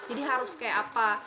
jadi harus kayak apa